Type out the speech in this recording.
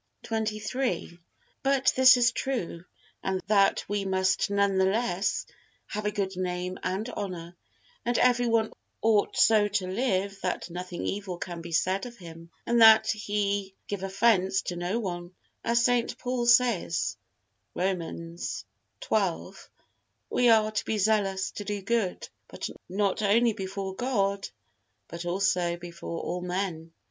XXIII. But this is true, that we must none the less have a good name and honor, and every one ought so to live that nothing evil can be said of him, and that he give offence to no one, as St. Paul says, Romans xii: "We are to be zealous to do good, not only before God, but also before all men."